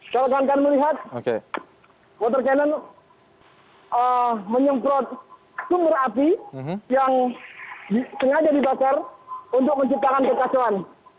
kalau kawan kawan melihat water cannon menyemprot sumber api yang sengaja dibakar untuk menciptakan kekacauan